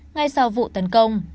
ngay sau vụ tấn công